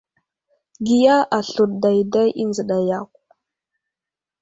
Giya aslər dayday i nzəɗa yakw.